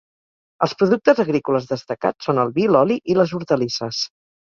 Els productes agrícoles destacats són el vi, l'oli i les hortalisses.